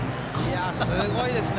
すごいですね。